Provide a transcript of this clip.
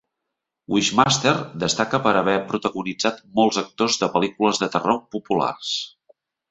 "Wishmaster" destaca per haver protagonitzat molts actors de pel·lícules de terror populars.